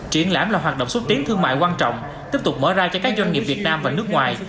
triển lãm là hoạt động xúc tiến thương mại quan trọng tiếp tục mở ra cho các doanh nghiệp việt nam và nước ngoài